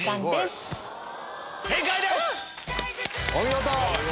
お見事！